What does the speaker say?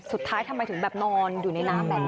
สุดท้ายทำไมถึงแบบนอนอยู่ในน้ำแม้